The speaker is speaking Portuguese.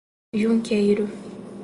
Junqueiro